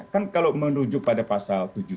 kan kalau menuju pada pasal tujuh puluh tujuh